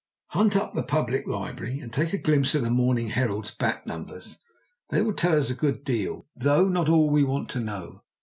"Hunt up the public library and take a glimpse of the Morning Herald's back numbers. They will tell us a good deal, though not all we want to know.